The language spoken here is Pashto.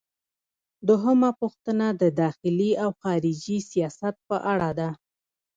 دوهمه پوښتنه د داخلي او خارجي سیاست په اړه ده.